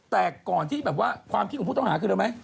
แต่ก่อนที่แบบว่าความคิดกุมผู้ต้องหาขึ้นแล้วไหม